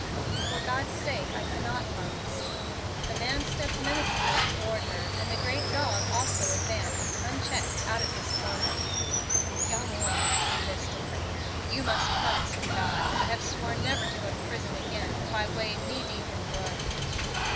"For God's sake I cannot promise." The man stepped menacingly toward her, and the great dog also advanced unchecked out of his corner. "Young woman," he hissed in her ear, "you must promise or die. I have sworn never to go to prison again if I wade knee deep in blood."